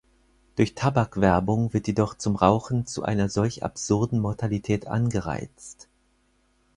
Durch Tabakwerbung wird jedoch zum Rauchen zu einer solch absurden Mortalität angereizt.